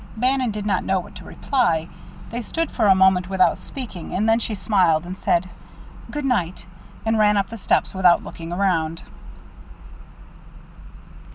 Bannon did not know what to reply. They stood for a moment without speaking, and then she smiled, and said "Good night," and ran up the steps without looking around.